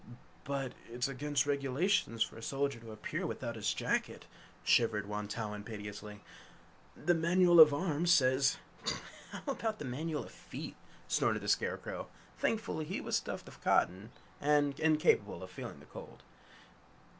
"But it's against regulations for a soldier to appear without his jacket," shivered Wantowin, piteously. "The manual of arms says " "How about the manual of feet?" snorted the Scarecrow, thankful he was stuffed with cotton and incapable of feeling the cold.